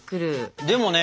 でもね